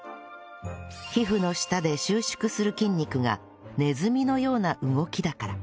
皮膚の下で収縮する筋肉がネズミのような動きだから